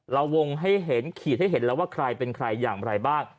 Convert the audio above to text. เราวงให้เห็นขีดให้เห็นแล้วว่าความรู้ในตัวขึ้นเป็นใครอย่างไรบ้าง